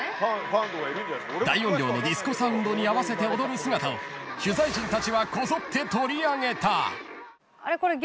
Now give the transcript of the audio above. ［大音量のディスコサウンドに合わせて踊る姿を取材陣たちはこぞって取り上げた］